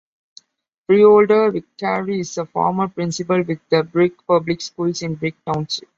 Freeholder Vicari is a former principal with the Brick Public Schools in Brick Township.